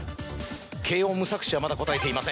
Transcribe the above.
けーおん・無策師はまだ答えていません。